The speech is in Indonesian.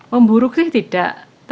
memburuk sih tidak